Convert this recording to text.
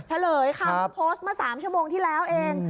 เขลยครับโพสต์มา๓ชั่วโมงที่แล้วเอง